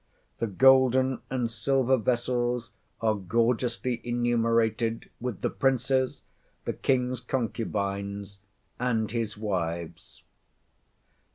The golden and silver vessels are gorgeously enumerated, with the princes, the king's concubines, and his wives.